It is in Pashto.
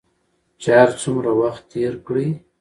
چې هر څومره وخت تېر کړې